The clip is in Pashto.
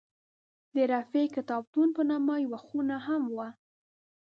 د رفیع کتابتون په نامه یوه خونه هم وه.